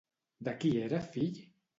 De qui era fill?